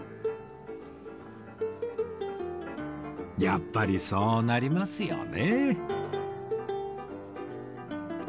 やっぱりそうなりますよね